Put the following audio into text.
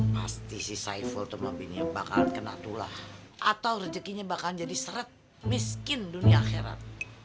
pasti si saiful sama binia bakal kena tulah atau rezekinya bakal jadi seret miskin dunia akhirat